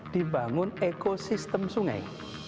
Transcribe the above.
dibangun ekosistem sungai